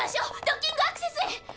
ドッキングアクセスへ！